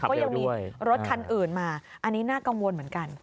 ก็ยังมีรถคันอื่นมาอันนี้น่ากังวลเหมือนกัน